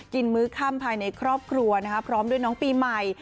มื้อค่ำภายในครอบครัวพร้อมด้วยน้องปีใหม่